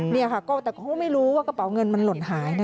นี่ค่ะแต่เขาก็ไม่รู้ว่ากระเป๋าเงินมันหล่นหายนะ